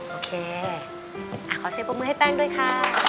โอเคขอเซฟรบมือให้แป้งด้วยค่ะ